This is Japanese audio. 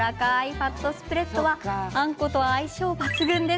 ファットスプレッドはあんこと相性が抜群。